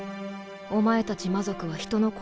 お前たち魔族は人の声